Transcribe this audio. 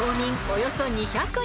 およそ２００人。